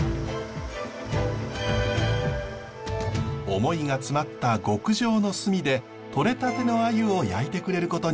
思いが詰まった極上の炭でとれたてのアユを焼いてくれることに。